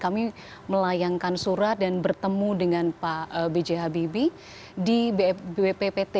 kami melayangkan surat dan bertemu dengan pak b j habibie di bppt